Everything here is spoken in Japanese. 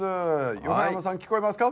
横山さん聞こえますか？